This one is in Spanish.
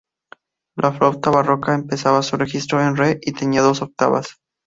La flauta barroca empezaba su registro en "Re" y tenía dos octavas.